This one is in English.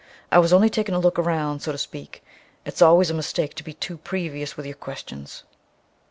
"I was only takin' a look round so to speak. It's always a mistake to be too previous with yer questions."